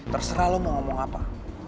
terserah lo mau ngomong apa